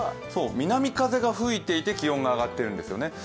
南風が吹いていて気温が上がっているんですね。